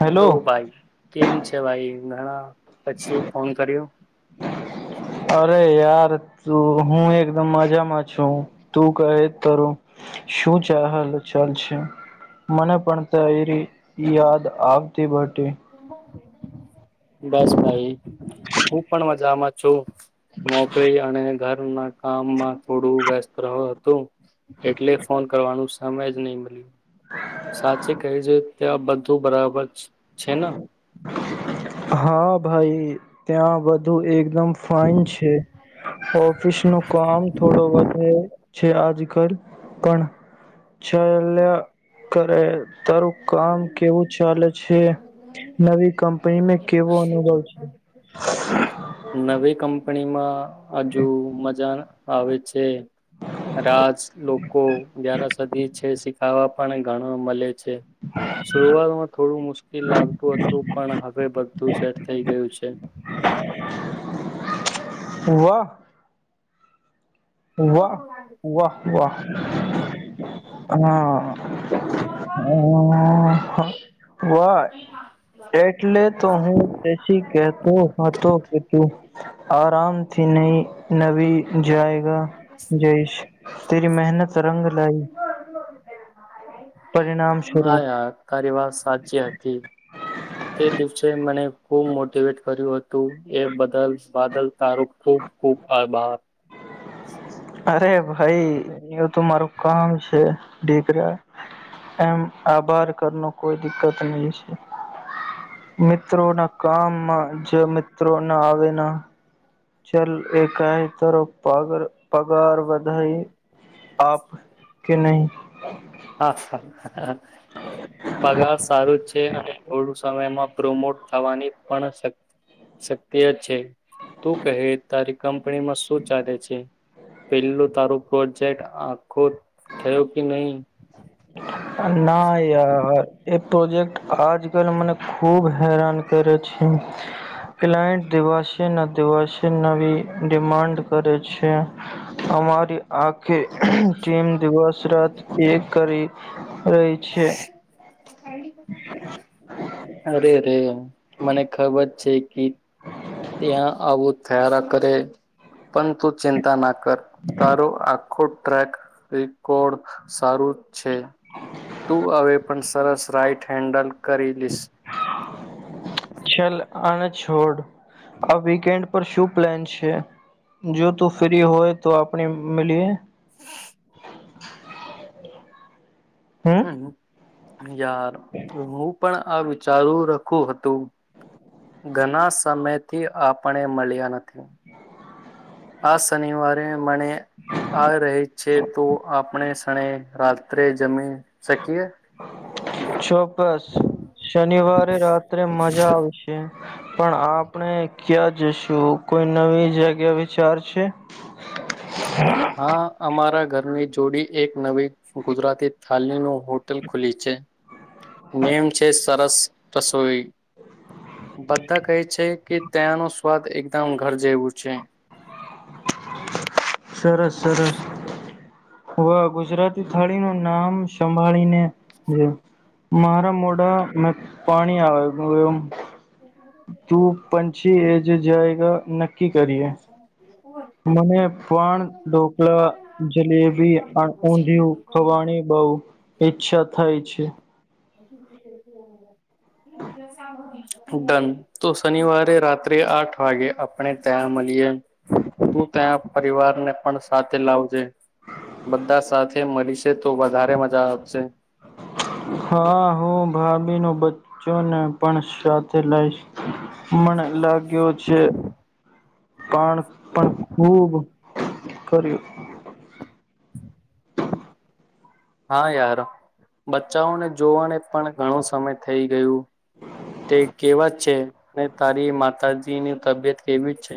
Hello ભાઈ કેમ છે ભાઈ? ઘણા પછી ફોન કર્યો. અરે યાર તું હું એકદમ મજામાં છું. તું કહે તરું શું ચાલ ચાલ છે મને પણ તારી યાદ આવતી બટ [inaudible] બસ ભાઈ હું પણ મજામાં છું. નોકરી અને ઘરના કામમાં થોડું વ્યસ્ત રહ્યો હતું. એટલે ફોન કરવાનું સમય જ નહી મળ્યું. સાચે કહેજે ત્યાં બધું બરાબર છ છે ને હા ભાઈ ત્યાં બધું એક દમ ફાઇન છે. ઓફિસનું કામ થોડો વધે તે આજકલ પણ ચાલ્યા કરે. તારું કામ કેવું ચાલે છે? નવી કંપનીમાં કેવો અનુભવ છે? કપણીમાં હજુ મજા આવે છે. રાજ લોકો જ્યારા સધી છે. શીખાવા પણ ઘણાં મલે છે. શુરૂઆતમાં થોડું મુશ્કેલ લાગતું હતું પણ હવે બધું સેટ થઈ ગયું છે. વાહ! વાહ! વાહ! વાહ! હહ હ વાહ! એટલે તો હું પછી કેતો હતો. કે તું આરામથી નહી નવી જાય [inaudible] [inaudible] તેરી મહેનત રંગ લાવી. હા યાર તારી વાત સાચી હતી. તે દિવસે મને ખુબ મોટીવેટ કર્યું હતું. એ બદલ બાદલ. તારું ખૂબ ખૂબ આભાર. અરે ભાઈ, એ તો મારું કામ છે દીકરા. એમ આભાર કર, કોઈ દિકકત નહીં છે, મિત્રો ના. કામમાં જમિત. મિત્રો ના આવેલા. ચલ, એ કાએ તારો પગાર વધાઈ આપ કે નહીં? હા, પગાર સારું જ છે અને થોડું સમયમાં પ્રોમોટ થવાની પણ શક્તિ જ છે. તું કહે તારીખ? પ્રેમમાં શું ચાલે છે પેલું તારું? પ્રોજેક્ટ આખો. થયો કે નહીં? ના એ. પ્રોજેક્ટ આજકાલ મને ખૂબ હેરાન કરે છે. ક્લાયન્ટ દિવસે ના દિવાસે નવી ડિમાન્ડ કરે છે. અમારી આખે ટીમ દિવસ-રાત. એ. કરી. રહી છે. અરેરે! મને ખબર છે, કે ત્યાં આવો થયા કરે. પણ તું ચિંતા ના કર, તારું આ. આખો ટ્રેક રેકોર્ડ સારું છે. તું હવે પણ સરસ રાઈટ હેન્ડલ કરી લેશ. ચલ, આને છોડ. આ વીકેન્ડ પર શું પ્લાન છે? જો તું ફ્રી હોય તો આપણે મલીએ. [unintelligible] હમ હા. યાર, હું પણ. આ વિચારું રખું હતું, ઘણા સમયથી આપણે મળ્યા નથી. આ શનિવારે મને. આ રહે છે તો આપણે. અને રાત્રે જમી શકીએ. છો. બસ, શનિવારે રાત્રે મજા આવશે. પણ આપણે ક્યાં જશું? કોઈ નવી જગ્યા વિચાર છે? હા, અમારા ઘર. ની જોડી એક નવી ગુજરાતી થલી નો હોટલ ખુલી છે. નેમ છે. સરસ રસોઈ. બધા કહે છે. કે તયાનો સ્વાદ એકદમ ઘર જેવું છે. સરસ-સરસ. હ ગુજરાતી થાળી નું નામ સંભાળીને મારા મોઢા મે પાણી આવે એ એ જ જાયગા નક્કી કરીએ [unintelligible] મને પણ ઢોકલા, જલેબી, ઊંધિયું ખવાની બહ ઈચ્છા થાય છે. [unintelligible] ડન તો શનિવારે રાત્રે આઠ વાગે આપણે ત્યાં મળીએ તું ત્યાં પરિવારને પણ સાથે લાવજે બધા સાથે મળીશે તો વધારે મજા આવશે. હા હું ભાભી નો બચ્ચો ને પણ સાથે લઈશ મને લાગ લાગ્યો છે. પણ-પણ ખુબ કર્યું. હા યાર બચ્ચાઓને જોવાને પણ ઘણો સમય થઈ ગયું તે કેવા જ છે અને તારી માતાજીની તબિયત કેવી છે.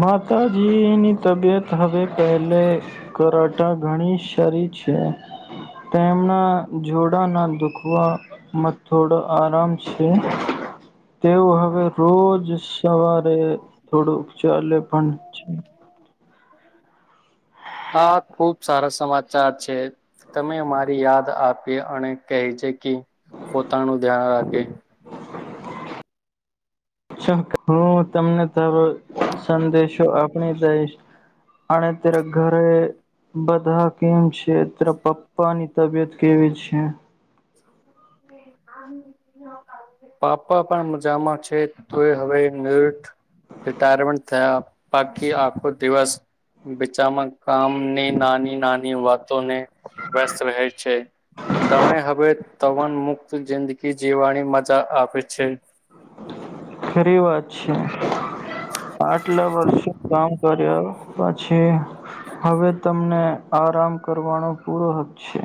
માતાજીની તબિયત હવે પહેલે કરાતા ઘણી સારી છે, તેમના જોડાના દુખવામાં થોડો આરામ છે તેઓ હવે રોજ સવારે થોડું. લે પણ છે આા ખુબ સારા સમાચાર છે તમે મારી યાદ આપી અને કહે છે. પોતાનું ધ્યાન રાખે હું તમને તારો સંદેશો આપણી દઈશ અને તરા ઘરે બધા કેમ છે તરા પપ્પાની તબિયત કેવી છે. પાપા પણ મજામાં છે તો એ હવે રિટાયરમેન્ટ થયા બાકી આખો દિવસ બચામાં કામની નાની નાની વાતોને વ્યસ્ત રહેે છે તવે હવે તવન મુખ જિંદગી જીવવાની મજા આપે છે. ખરી વાત છે. આટલા વર્ષે કામ કર્યા પછી હવે તમને આરામ કરવાનો પૂરો હક છે.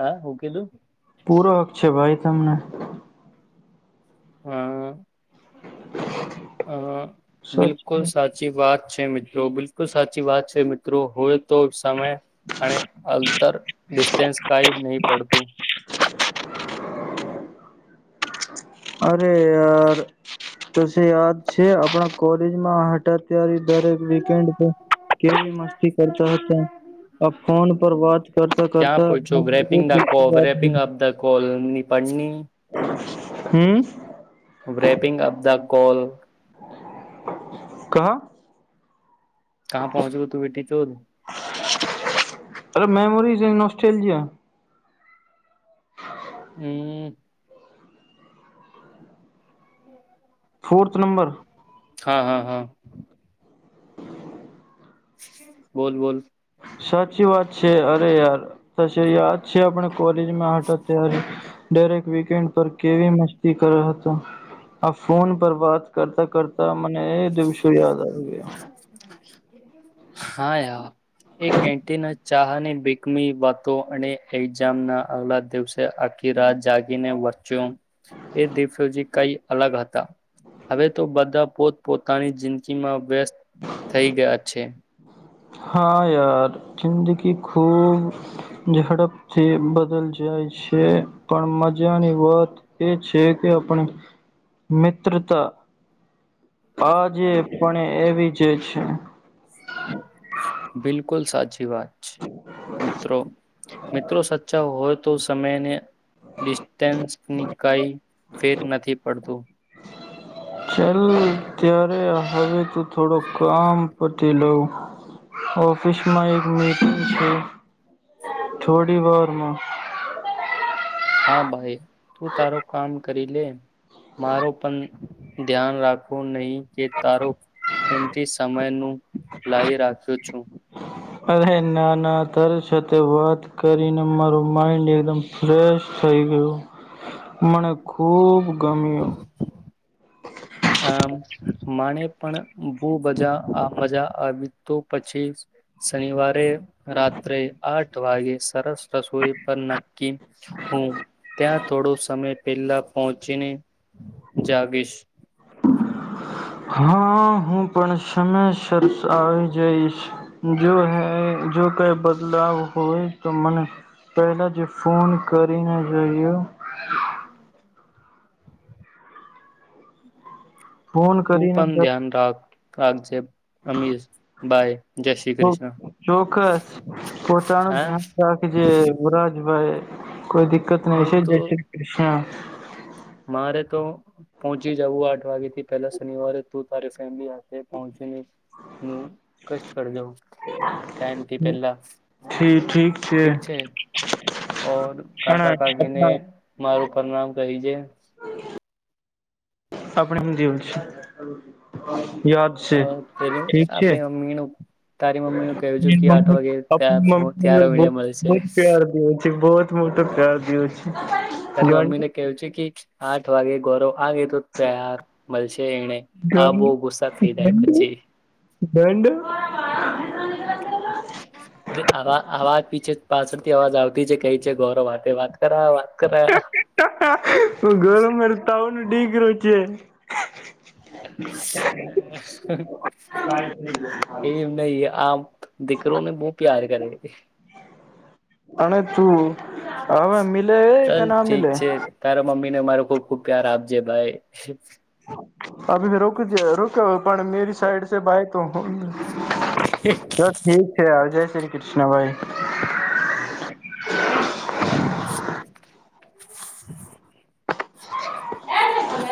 હા હું કીધું? પૂરો હક છે ભાઈ તમને હા. હા બિલકુલ સાચી વાત છે મિત્રો બિલકુલ સાચી વાત છે મિત્રો હોય તો સમય અને અંતર સ કઈ નહી પડતું. અરે યાર તો યાદ છે આપણા કોલેજમાં હટા ત્યારે દરેક વન્ડ પર કેલી મસ્તી કરતા હતા આ ફોન પર વાત કરતા ક્યાં કરતા પહોંચો wrapping the call wrapping up the call ની પડની [unintelligible] હમ્મ. રેપિંગ અપ ધ કોલ કહ કા પહોંચીયો તુ [unintelligible] ચેમ જ્યાં હમ્મ. Fourth number. હા હા હ. બોલ બોલ. સાચી વાત છે અરે યાર પચે યાદ છે આપણે. કોલેજમાં હટા ત્યારે ડાયરેક્ટ વીકેન્ડ પર કેવી મસ્તી કર હતા આ ફોન પર વાત કરતા કરતા મને એ દિવસો યાદ આવી ગ્યા. હા યા એ કેન્ટીન ચાહની બીકમી વાતો અને એક્ઝામના આગલા દિવસે આખી રાત જાગીને વચ્યો એ દિવસો કઈ અલગ હતા હવે તો બધા પોત પોતાની જિંદગીમાં વ્યસ્ત થઈ ગયા છે. હા યાર જિંદગી ખૂબ ઝડપથી બદલ જાય છે પણ મજાની વાત એ છે કે આપણી મિત્રતા હાજે પણ એવી જ જે છે. બિલકુલ સાચી વાત. મિત્રો મિત્રો સાચા હોય તો સમયને ડિસ્ટસ્ટન્સની કાંઈ ફેર નથી પડતું. ચલ ત્યારે હવે તું થોડું કામ પ [unintelligible] લઉ ઓફિસમાં એક મીટિંગ છે થોડી વારમાં. હા ભાઈ તું તારો કામ કરી લે. મારો પણ ધ્યાન રાખો નઈ કે તારો કેમથી સમય નું લાઈ રાખ્યો છું. અરે નાના તારી સાથે વાત કરીને મારું માઈન્ડ એકદમ ફ્રેશ થઈ ગયયો મને ખૂબ ગમ્યું. [inaudible] આમ માને પણ બુબજા આ મજા આવી તો પછી શનિવારે રાત્રે આઠ વાગે સરસ રસોઈ પર નક્કી હું ત્યાં થોડો સમય પેલા પહોંચીને જાગીશ. હા હું પણ સમયસરસ આવી જઈશ જો હ જો કઈ બદલાવ હોય તો મને પહેલા જ ફોન કરીને જોઈયો. [inaudible] ફોન કરીને જ કાગજેપ. કૃષ્ણ ચોક્કસ પોતાનું હા ધ્યાન રાખજે વરાજભાઈ. કોઈ દિકકત નહી છે હું તો જ શ્રી કૃષ્ણ. મારે તો પહોંચી જવું આઠ વાગેથી પેલા શનિવારે તું તારી ફેમિલી. પહોંચી નું કષ્ટ કરજઉં ટાઈમ થી પહેલા ઠીક છે ઓર પણ કાકા કાકીને આપણા મારું પરણામ કહીજે. [inaudible] આપણી હ જવલ છે. યાદ છે અ તે ઠીક છે આપણી મમ્મીનું તારી મમ્મીનું કહું છું મમ્મી કે આઠ વાગે મમ્મી ત આપણી ત્યારે વિણય મળે છે. સ બહુત મો તો પ્યાર દ્યો છે. તારી મમ્મી ને ગંડ કેહવું છે કે- આઠ વાગે ગોરો આગી તોું તાર મળશે એને આ ગંડ બહ ગુસ્સા થઇ જાય ગંડ પછી. ગંડ [inaudible] આવા આવાજ પીછે પાછળથી અવાજ આવતી જ કઈ છે ગૌરવ વા વાત કરવા ગોરમરતા હો. [unintelligible] એમ નહી આપ દકરો બહુ પ્યાર કરી. અને તું હવે મ ચાલ ઠીક છે તારા મમ્મી ને માર ખુબ ખુબ પ્યાર આપજે ભાઈ અભી રોકજ રોકે પણ મેરી સાઈડ સ ભાઈ તો ચ ઠીક છે આવજે શ્રી કૃષ્ણભાઈ. [inaudible] [inaudible] [inaudible]